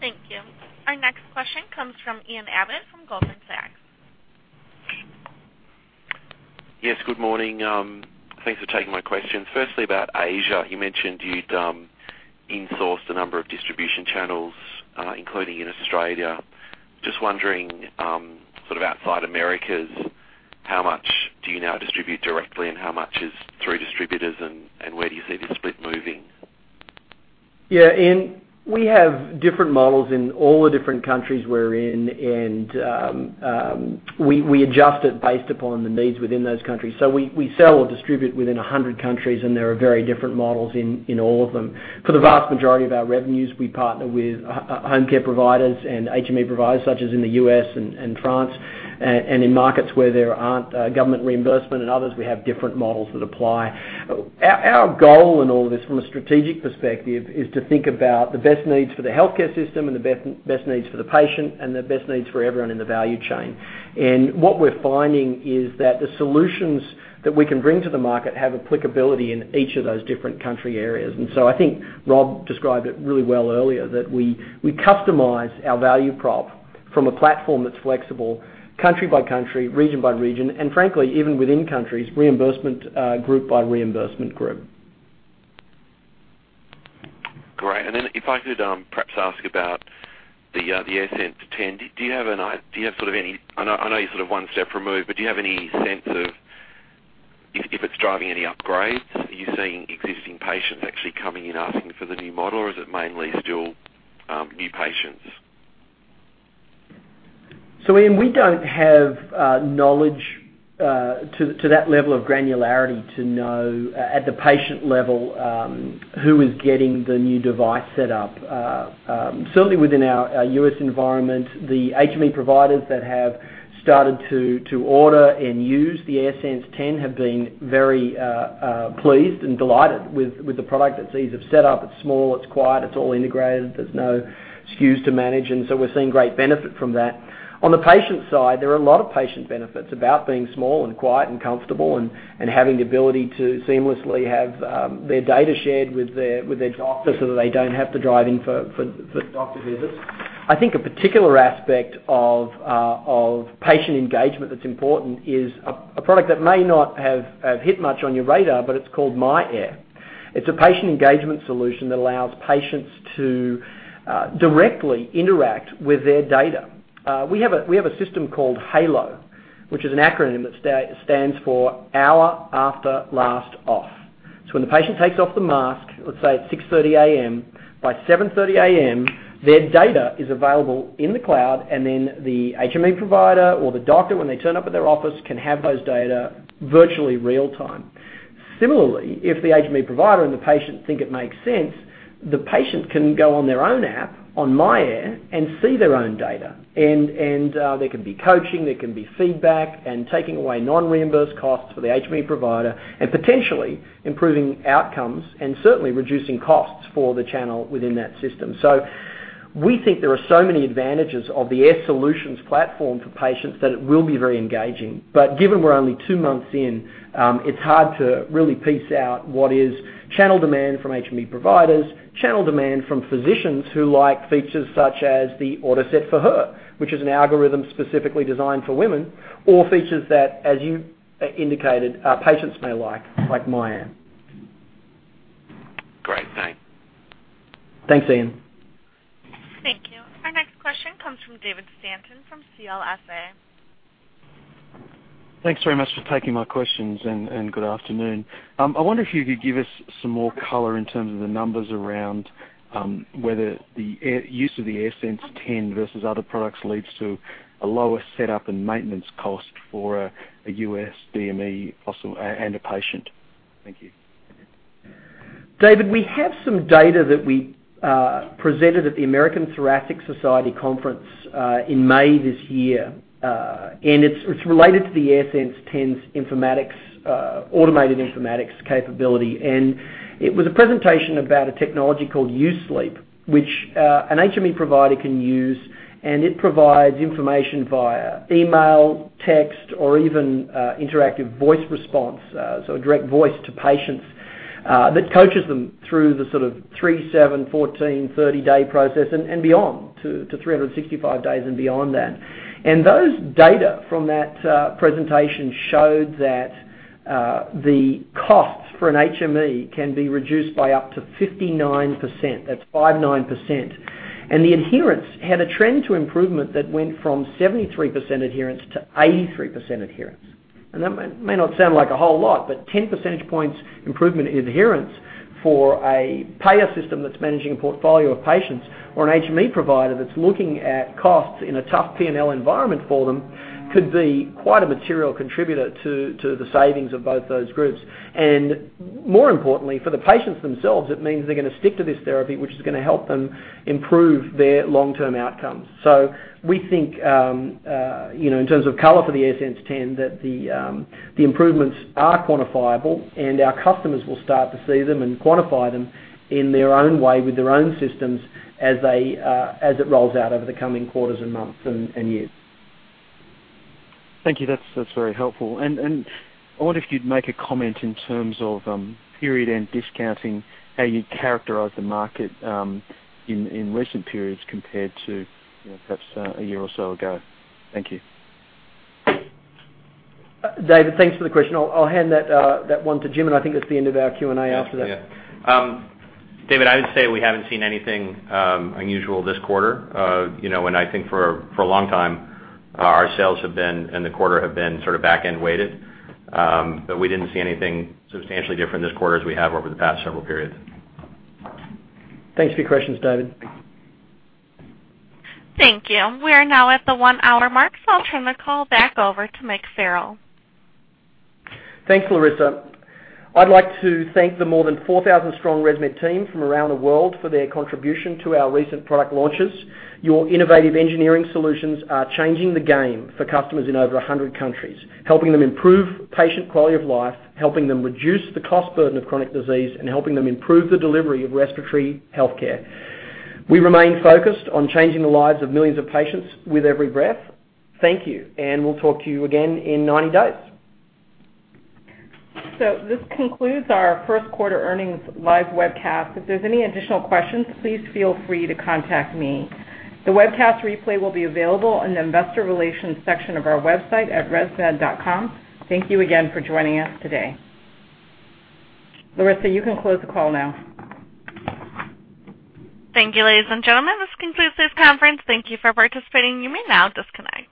Thank you. Our next question comes from Ian Abbott from Goldman Sachs. Yes, good morning. Thanks for taking my questions. Firstly, about Asia. You mentioned you'd insourced a number of distribution channels, including in Australia. Just wondering, sort of outside Americas, how much do you now distribute directly and how much is through distributors and where do you see this split moving? Ian. We have different models in all the different countries we're in, and we adjust it based upon the needs within those countries. We sell or distribute within 100 countries, and there are very different models in all of them. For the vast majority of our revenues, we partner with home care providers and HME providers, such as in the U.S. and France. In markets where there aren't government reimbursement and others, we have different models that apply. Our goal in all of this from a strategic perspective is to think about the best needs for the healthcare system and the best needs for the patient and the best needs for everyone in the value chain. What we're finding is that the solutions that we can bring to the market have applicability in each of those different country areas. I think Rob described it really well earlier, that we customize our value prop from a platform that's flexible country by country, region by region, and frankly, even within countries, reimbursement group by reimbursement group. Great. If I could perhaps ask about the AirSense 10. I know you're sort of one step removed, but do you have any sense of driving any upgrades? Are you seeing existing patients actually coming in asking for the new model, or is it mainly still new patients? Ian, we don't have knowledge to that level of granularity to know, at the patient level, who is getting the new device set up. Certainly within our U.S. environment, the HME providers that have started to order and use the AirSense 10 have been very pleased and delighted with the product. It's easy to set up. It's small, it's quiet, it's all integrated. There's no SKUs to manage. We're seeing great benefit from that. On the patient side, there are a lot of patient benefits about being small and quiet and comfortable and having the ability to seamlessly have their data shared with their doctor so that they don't have to drive in for doctor visits. I think a particular aspect of patient engagement that's important is a product that may not have hit much on your radar, but it's called myAir. It's a patient engagement solution that allows patients to directly interact with their data. We have a system called HALO, which is an acronym that stands for Hour After Last Off. When the patient takes off the mask, let's say at 6:30 A.M., by 7:30 A.M., their data is available in the cloud, then the HME provider or the doctor when they turn up at their office, can have those data virtually real time. Similarly, if the HME provider and the patient think it makes sense, the patient can go on their own app, on myAir, and see their own data. There can be coaching, there can be feedback, and taking away non-reimbursed costs for the HME provider, and potentially improving outcomes and certainly reducing costs for the channel within that system. We think there are so many advantages of the Air Solutions platform for patients that it will be very engaging. Given we're only two months in, it's hard to really piece out what is channel demand from HME providers, channel demand from physicians who like features such as the AutoSet for Her, which is an algorithm specifically designed for women, or features that, as you indicated, patients may like myAir. Great, thanks. Thanks, Ian. Thank you. Our next question comes from David Stanton from CLSA. Thanks very much for taking my questions, good afternoon. I wonder if you could give us some more color in terms of the numbers around whether the use of the AirSense 10 versus other products leads to a lower setup and maintenance cost for a U.S. DME also and a patient. Thank you. David, we have some data that we presented at the American Thoracic Society conference in May this year. It's related to the AirSense 10's informatics, automated informatics capability. It was a presentation about a technology called U-Sleep, which an HME provider can use, and it provides information via email, text, or even interactive voice response, so a direct voice to patients, that coaches them through the sort of three, seven, 14, 30-day process and beyond, to 365 days and beyond that. Those data from that presentation showed that the costs for an HME can be reduced by up to 59%. That's 59%. The adherence had a trend to improvement that went from 73% adherence to 83% adherence. That may not sound like a whole lot, but 10 percentage points improvement in adherence for a payer system that's managing a portfolio of patients or an HME provider that's looking at costs in a tough P&L environment for them could be quite a material contributor to the savings of both those groups. More importantly, for the patients themselves, it means they're going to stick to this therapy, which is going to help them improve their long-term outcomes. We think, in terms of color for the AirSense 10, that the improvements are quantifiable, and our customers will start to see them and quantify them in their own way with their own systems as it rolls out over the coming quarters and months and years. Thank you. That's very helpful. I wonder if you'd make a comment in terms of period-end discounting, how you characterize the market in recent periods compared to perhaps a year or so ago. Thank you. David, thanks for the question. I'll hand that one to Jim, I think that's the end of our Q&A after that. Yeah. David, I would say we haven't seen anything unusual this quarter. I think for a long time, our sales have been, and the quarter have been sort of back-end weighted. We didn't see anything substantially different this quarter as we have over the past several periods. Thanks for your questions, David. Thank you. Thank you. We are now at the one-hour mark. I'll turn the call back over to Mick Farrell. Thanks, Larissa. I'd like to thank the more than 4,000 strong ResMed team from around the world for their contribution to our recent product launches. Your innovative engineering solutions are changing the game for customers in over 100 countries, helping them improve patient quality of life, helping them reduce the cost burden of chronic disease, and helping them improve the delivery of respiratory healthcare. We remain focused on changing the lives of millions of patients with every breath. Thank you. We'll talk to you again in 90 days. This concludes our first quarter earnings live webcast. If there's any additional questions, please feel free to contact me. The webcast replay will be available in the investor relations section of our website at resmed.com. Thank you again for joining us today. Larissa, you can close the call now. Thank you, ladies and gentlemen. This concludes this conference. Thank you for participating. You may now disconnect.